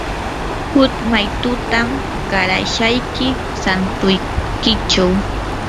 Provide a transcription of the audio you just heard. huk maytutam qarashayki santuykichaw.